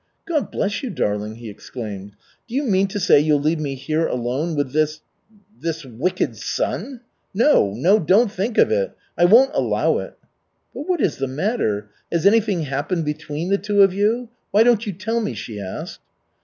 "God bless you, darling!" he exclaimed. "Do you mean to say you'll leave me here alone with this this wicked son? No, no, don't think of it. I won't allow it." "But what is the matter? Has anything happened between the two of you? Why don't you tell me?" she asked.